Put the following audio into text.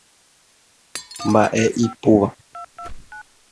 Mba'e ipúva.